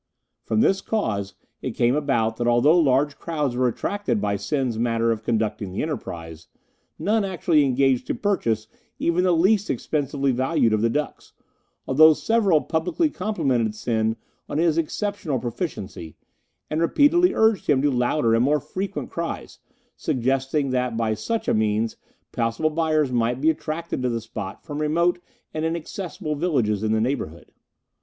From this cause it came about that although large crowds were attracted by Sen's manner of conducting the enterprise, none actually engaged to purchase even the least expensively valued of the ducks, although several publicly complimented Sen on his exceptional proficiency, and repeatedly urged him to louder and more frequent cries, suggesting that by such means possible buyers might be attracted to the spot from remote and inaccessible villages in the neighbourhood.